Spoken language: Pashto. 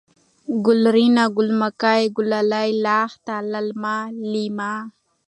گلورينه ، گل مکۍ ، گلالۍ ، لښته ، للمه ، لېمه